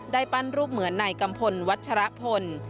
ปั้นรูปเหมือนนายกัมพลวัชรพล